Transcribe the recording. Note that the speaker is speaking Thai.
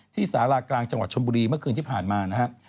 สารากลางจังหวัดชนบุรีเมื่อคืนที่ผ่านมานะครับ